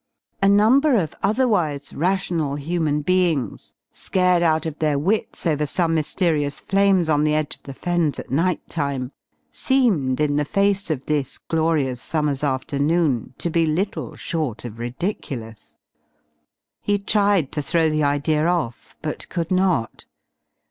A number of otherwise rational human beings scared out of their wits over some mysterious flames on the edge of the Fens at night time, seemed, in the face of this glorious summer's afternoon, to be little short of ridiculous. He tried to throw the idea off but could not.